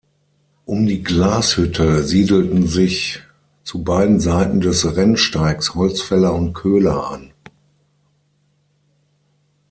Um die Glashütte siedelten sich zu beiden Seiten des Rennsteigs Holzfäller und Köhler an.